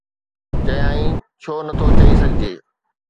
چيائين: ڇو نٿو چئي سگهجي؟